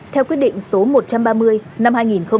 theo quyết định số một trăm ba mươi năm hai nghìn ba